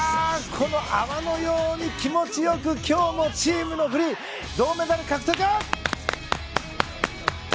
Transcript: この青のように気持ち良く今日もチームのフリー銅メダル獲得！